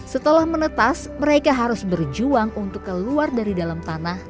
setelah menetas mereka harus berjuang untuk keluar dari dalam tanah